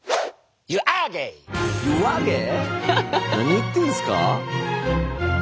何言ってんすか？